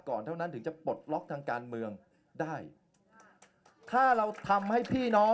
เท่านั้นถึงจะปลดล็อกทางการเมืองได้ถ้าเราทำให้พี่น้อง